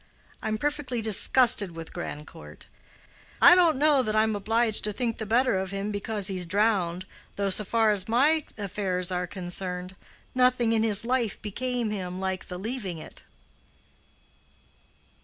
I'm perfectly disgusted with Grandcourt. I don't know that I'm obliged to think the better of him because he's drowned, though, so far as my affairs are concerned, nothing in his life became him like the leaving it."